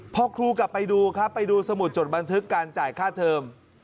พอครูกลับไปดูครับไปดูสมุดจดบันทึกการจ่ายค่าเทิม